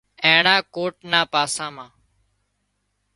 اينڻا ڪوٽ نا پاسا مان